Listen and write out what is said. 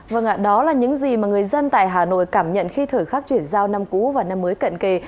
vâng ạ đó là những gì mà người dân tại hà nội cảm nhận khi thời khắc chuyển giao năm cũ và năm mới cận kề